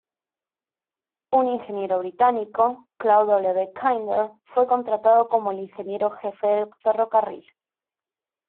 Un ingeniero británico, Claude W. Kinder, fue contratado como el ingeniero jefe del ferrocarril.